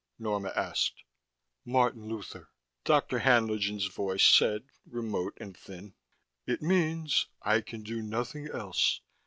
Norma asked. "Martin Luther," Dr. Haenlingen's voice said, remote and thin. "It means: 'I can do nothing else.'